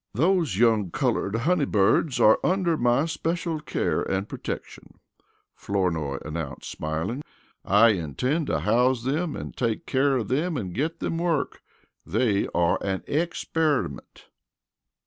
"Those young colored honey birds are under my special care and protection," Flournoy announced, smiling. "I intend to house them and take care of them and get them work. They are an experiment."